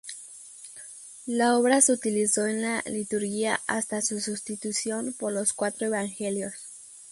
La obra se utilizó en la liturgia hasta su sustitución por los cuatro evangelios.